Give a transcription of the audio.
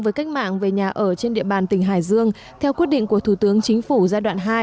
với cách mạng về nhà ở trên địa bàn tỉnh hải dương theo quyết định của thủ tướng chính phủ giai đoạn hai